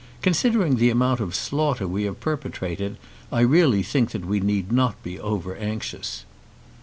Considering the amount of slaughter we have perpetrated, I really think that we need not be over anxious."